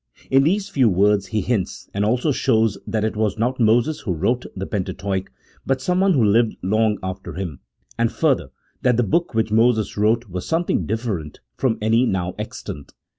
In these few words he hints, and also shows that it was not Moses who wrote the Pentateuch, but someone who lived long after him, and further, that the book which Moses wrote was something different from any now extant.